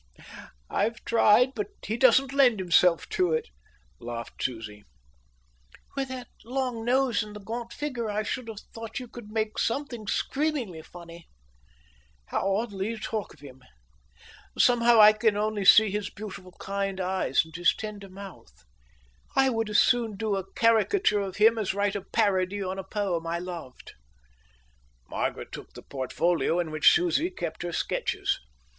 "I've tried, but he doesn't lend himself to it," laughed Susie. "With that long nose and the gaunt figure I should have thought you could make something screamingly funny." "How oddly you talk of him! Somehow I can only see his beautiful, kind eyes and his tender mouth. I would as soon do a caricature of him as write a parody on a poem I loved." Margaret took the portfolio in which Susie kept her sketches.